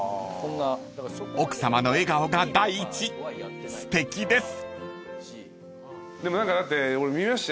［奥さまの笑顔が第一すてきです］